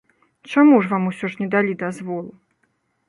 Чаму вам усё ж не далі дазволу?